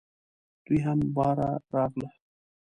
دوی هم باره راغله .